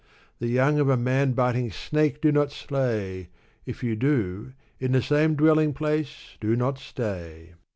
The young of a man biting snake do not slay ! If you do, in the same dwelling place do not stay